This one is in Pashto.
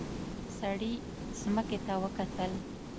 سړي ځمکې ته وکتل.